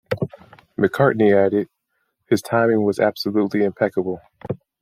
McCartney added: his timing was absolutely impeccable.